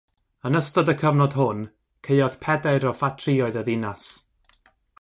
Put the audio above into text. Yn ystod y cyfnod hwn, caeodd pedair o ffatrïoedd y ddinas.